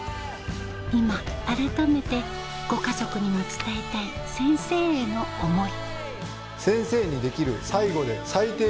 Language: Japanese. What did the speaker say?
今あらためてご家族にも伝えたい先生への思い